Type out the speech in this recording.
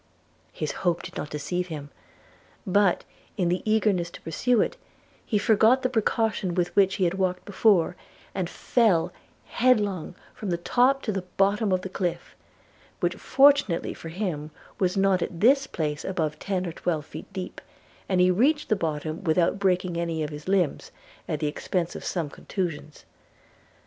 His hope did not deceive him; but, in the eagerness to pursue it, he forgot the precaution with which he had walked before, and fell headlong from the top to the bottom of the cliff, which fortunately for him was not at this place above ten or twelve feet deep, and he reached the bottom, without breaking any of his limbs, at the expence of some contusions.